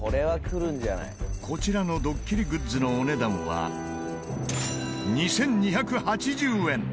こちらのドッキリグッズのお値段は２２８０円。